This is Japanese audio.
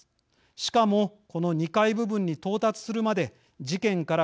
しかもこの２階部分に到達するまで事件から５７年。